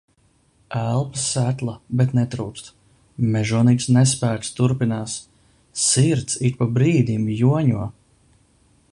Elpa sekla, bet netrūkst. Mežonīgs nespēks turpinās. Sirds ik pa brīdim joņo...